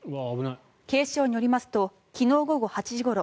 警視庁によりますと昨日午後８時ごろ